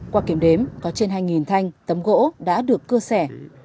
qua kiểm đếm có trên hai thanh tấm gỗ đã được cưa sẻ